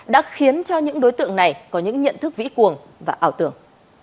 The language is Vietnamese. đã khiến cho những đối tượng này có những nhận thức vĩ cuồng và ảo tưởng